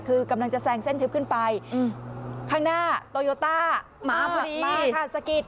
คือกำลังจะแซงเส้นทึบขึ้นไปข้างหน้าโตโยต้ามาค่ะสะกิด